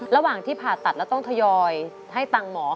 ระหว่างที่ผ่าตัดแล้วต้องทยอยให้ตังค์หมอ